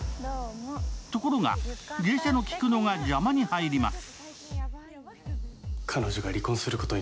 ところが、芸者の菊乃が邪魔に入ります。